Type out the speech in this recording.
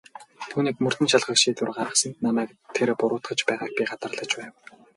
Түүнийг мөрдөн шалгах шийдвэр гаргасанд намайг тэр буруутгаж байгааг би гадарлаж байв.